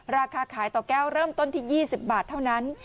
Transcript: ราคาขายต่อแก้วเริ่มต้นที่๒๐บาทเท่านั้น